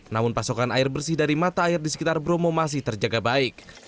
namun pasokan air bersih dari mata air di sekitar bromo masih terjaga baik